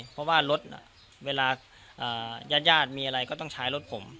เพราะว่ารถเวลาญาติญาติมีอะไรก็ต้องใช้รถผม